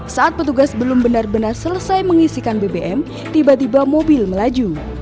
saat petugas belum benar benar selesai mengisikan bbm tiba tiba mobil melaju